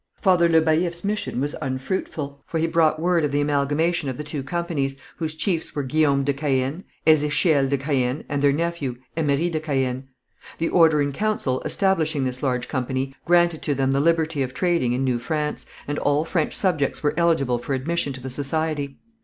Father Le Baillif's mission was unfruitful, for he brought word of the amalgamation of the two companies, whose chiefs were Guillaume de Caën, Ezechiel de Caën, and their nephew, Emery de Caën. The order in council establishing this large company granted to them the liberty of trading in New France, and all French subjects were eligible for admission to the society.